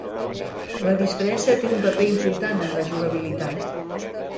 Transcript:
La disfressa té un paper important en la jugabilitat.